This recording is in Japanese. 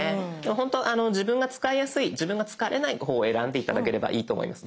ほんと自分が使いやすい自分が疲れない方を選んで頂ければいいと思います。